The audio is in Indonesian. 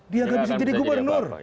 dia nggak bisa jadi gubernur